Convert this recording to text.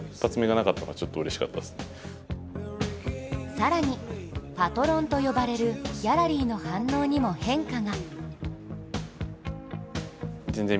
更に、パトロンと呼ばれるギャラリーの反応にも変化が。